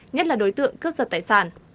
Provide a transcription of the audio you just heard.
nhất là đối tượng cướp giật tài sản